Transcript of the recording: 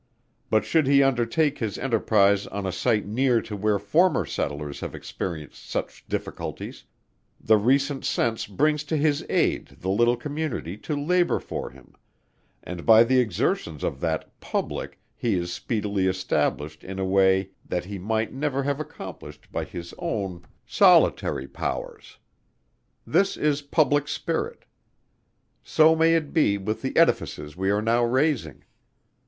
But should he undertake his enterprize on a site near to where former Settlers have experienced such difficulties, the recent sense brings to his aid the little community, to labour for him; and by the exertions of that Public he is speedily established in a way, that he might never have accomplished by his own solitary powers. This is Public Spirit. So may it be with the Edifices we are now raising!